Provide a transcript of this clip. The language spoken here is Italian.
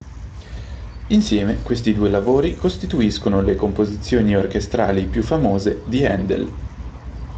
Insieme, questi due lavori costituiscono le composizioni orchestrali più famose di Händel.